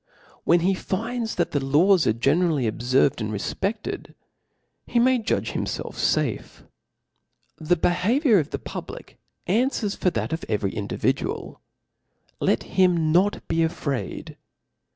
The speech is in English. . When h? fin^i tbat jthe. laws ate generally obferve^,and re Ibei^ed, he jnay judge bimfelf fafe. 'The beha? viour of ih? public anfwcr^ for th^ of evcFy iodividuaL .^ Let him npt be afraid